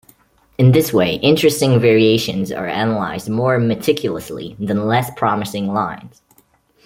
In this way interesting variations are analyzed more meticulously than less promising lines.